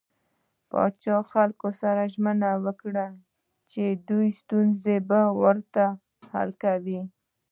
پاچا خلکو سره ژمنه وکړه چې د دوي ستونزې به ورته حل کوي .